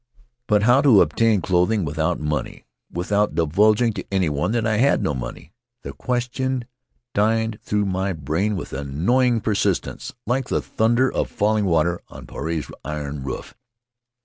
But how obtain clothing without money — without divulging to anyone that I had no money? The question dinned through my brain with annoying persistence, like the thunder of falling water on Puarei's iron roof.